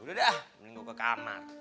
udah dah mending gue ke kamar